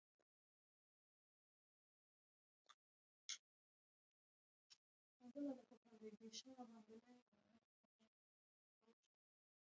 ازادي راډیو د د ماشومانو حقونه په اړه د پېښو رپوټونه ورکړي.